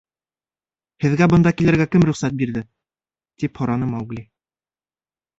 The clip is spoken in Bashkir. — Һеҙгә бында килергә кем рөхсәт бирҙе? — тип һораны Маугли.